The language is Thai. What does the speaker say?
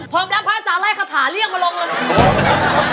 พร้อมแล้วพระอาจารย์ไล่คาถาเรียกมาลงเลยนะ